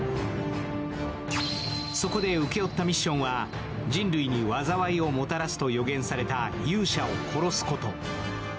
そこで請け負ったミッションは、人類に災いをもたらすと予言された勇者を殺すこと。